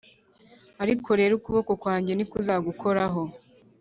ariko rero ukuboko kwanjye ntikuzagukoraho.